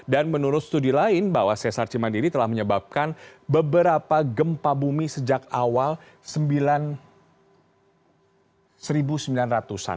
dan menurut studi lain bahwa sesar cimandiri telah menyebabkan beberapa gempa bumi sejak awal seribu sembilan ratus an